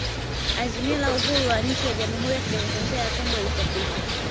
Azimio la uhuru wa nchi ya Jamhuri ya kidemokrasia ya Kongo lilichapishwa